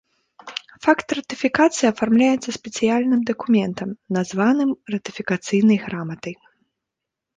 Факт ратыфікацыі афармляецца спецыяльным дакументам, названым ратыфікацыйнай граматай.